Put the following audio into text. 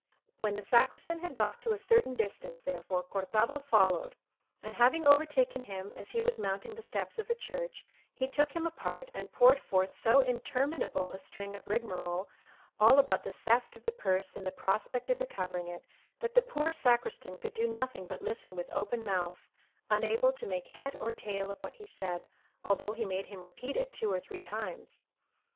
When the Sacristan had got to a certain distance, therefore, Cortado followed, and having overtaken him as he was mounting the steps of a church, he took him apart, and poured forth so interminable a string of rigmarole, all about the theft of the purse, and the prospect of recovering it, that the poor Sacristan could do nothing but listen with open mouth, unable to make head or tail of what he said, although he made him repeat it two or three times.